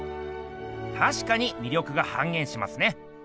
たしかにみりょくが半げんしますね。